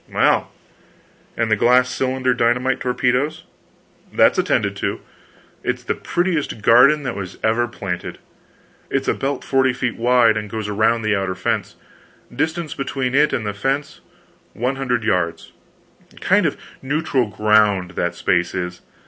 "Well, and the glass cylinder dynamite torpedoes?" "That's attended to. It's the prettiest garden that was ever planted. It's a belt forty feet wide, and goes around the outer fence distance between it and the fence one hundred yards kind of neutral ground that space is.